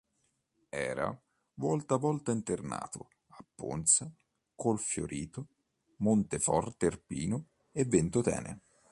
Era, volta a volta internato a Ponza, Colfiorito, Monteforte Irpino e Ventotene.